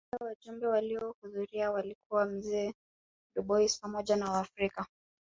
Kati ya wajumbe waliohudhuria walikuwa mzee Dubois pamoja na Waafrika